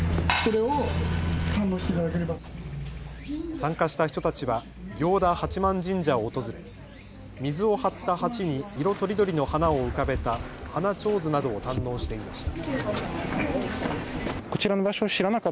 参加した人たちは行田八幡神社を訪れ水を張った鉢に色とりどりの花を浮かべた花手水などを堪能していました。